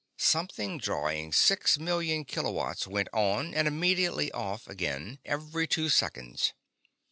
Something drawing six million kilowatts went on and immediately off again every two seconds.